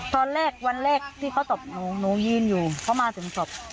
ตอนแรกวันแรกที่เขาตบหนูหนูยืนอยู่เขามาถึงศพ